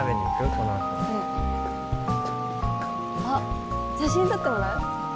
このあとあっ写真撮ってもらう？